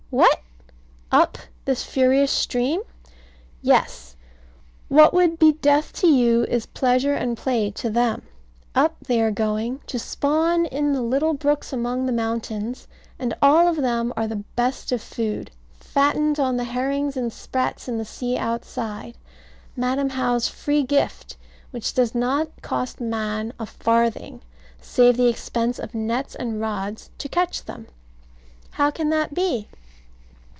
What! up this furious stream? Yes. What would be death to you is pleasure and play to them. Up they are going, to spawn in the little brooks among the mountains; and all of them are the best of food, fattened on the herrings and sprats in the sea outside, Madam How's free gift, which does not cost man a farthing, save the expense of nets and rods to catch them. How can that be?